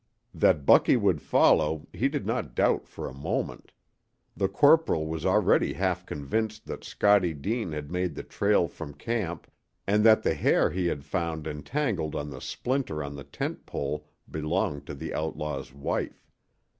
That Bucky would follow he did not doubt for a moment. The corporal was already half convinced that Scottie Deane had made the trail from camp and that the hair he had found entangled in the splinter on the tent pole belonged to the outlaw's wife.